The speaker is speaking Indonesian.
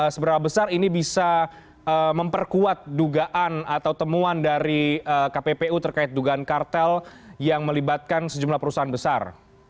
seberapa besar ini bisa memperkuat dugaan atau temuan dari kppu terkait dugaan kartel yang melibatkan sejumlah perusahaan besar